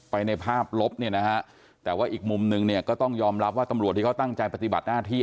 ในภาพลบเนี่ยนะฮะแต่ว่าอีกมุมนึงเนี่ยก็ต้องยอมรับว่าตำรวจที่เขาตั้งใจปฏิบัติหน้าที่